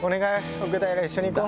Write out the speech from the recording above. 奥平一緒に行こう。